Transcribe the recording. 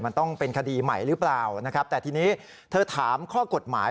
มันต้องเป็นคดีใหม่หรือเปล่านะครับแต่ทีนี้เธอถามข้อกฎหมาย